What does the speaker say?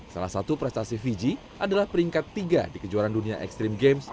salah satu prestasi fiji adalah peringkat tiga di kejuaraan dunia ekstrim games